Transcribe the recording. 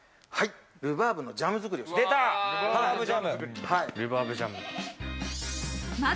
ルバーブのジャム作りをします。